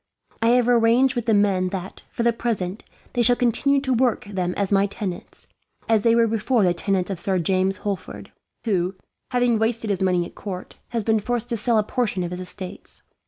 I have arranged with the men that, for the present, they shall continue to work them as my tenants, as they were before the tenants of Sir James Holford; who, having wasted his money at court, has been forced to sell a portion of his estates.